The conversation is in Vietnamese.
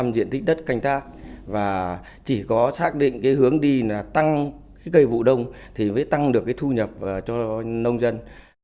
ba mươi diện tích đất canh tác và chỉ có xác định hướng đi tăng cây vụ đông thì mới tăng được thu nhập cho nông dân